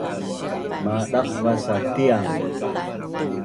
Madaqvas sa Tiang